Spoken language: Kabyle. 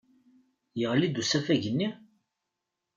Yeɣli-d usafag-nni?